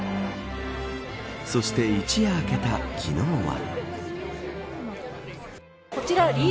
そして、一夜明けた昨日は。